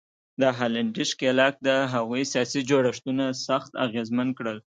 د هالنډي ښکېلاک د هغوی سیاسي جوړښتونه سخت اغېزمن کړل.